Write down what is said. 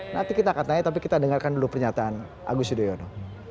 nanti kita akan tanya tapi kita dengarkan dulu pernyataan agus yudhoyono